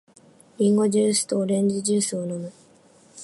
リンゴジュースとオレンジジュースを飲む。